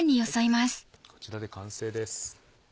こちらで完成です。